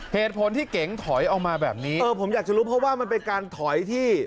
เหตุผลที่เก๋งถอยออกมาแบบนี้เออผมอยากจะรู้เพราะว่ามันเป็นการถอยที่